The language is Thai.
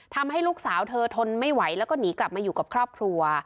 ทำให้ลูกสาวเธอทนไม่ไหวแล้วก็หนีกลับมาอยู่กับครอบครัว